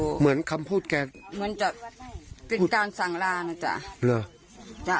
อยู่เหมือนคำพูดแกเหมือนจะเป็นการสังรานะจ๊ะ